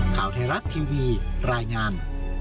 ข่าวไทยรัฐทีวีรายงาน